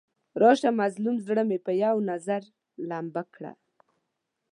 راشه مظلوم زړه مې په یو نظر لمبه کړه.